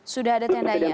sudah ada tendanya